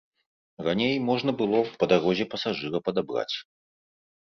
Раней можна было па дарозе пасажыра падабраць.